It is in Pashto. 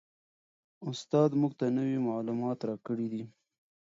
استاد موږ ته نوي معلومات راکړي دي.